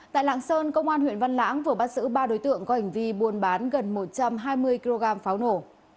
tại lạng sơn công an huyện văn lãng vừa bắt giữ ba đối tượng có hành vi buôn bán gần một trăm hai mươi kg pháo nổ